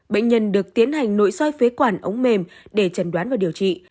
bệnh nhân được tiến hành nội soi phế quản ống mềm để trần đoán và điều trị